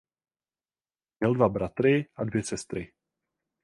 Měl dva bratry a dvě sestry.